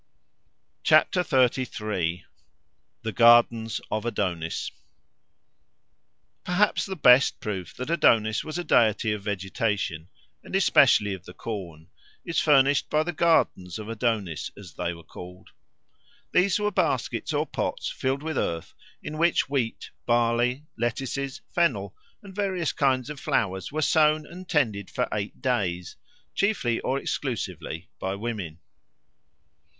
XXXIII. The Gardens of Adonis PERHAPS the best proof that Adonis was a deity of vegetation, and especially of the corn, is furnished by the gardens of Adonis, as they were called. These were baskets or pots filled with earth, in which wheat, barley, lettuces, fennel, and various kinds of flowers were sown and tended for eight days, chiefly or exclusively by women.